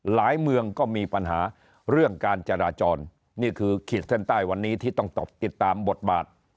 เมืองก็มีปัญหาเรื่องการจราจรนี่คือขีดเส้นใต้วันนี้ที่ต้องติดตามบทบาท